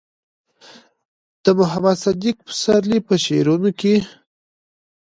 د محمد صديق پسرلي په شعرونو کې